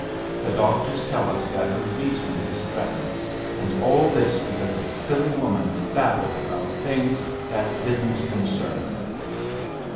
The doctors tell us that her reason is threatened—and all this because a silly woman babbled about things that didn't concern her!"